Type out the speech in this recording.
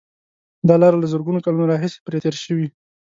دا لاره له زرګونو کلونو راهیسې پرې تېر شوي.